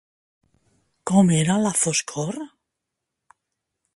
Com era la foscor?